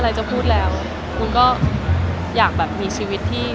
แต่ถามว่าทุกฝ่ายก็เสียใจ